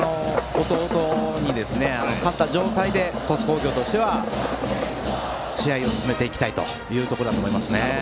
弟につなぐのは、勝った状態で鳥栖工業としては試合を進めていきたいところだと思います。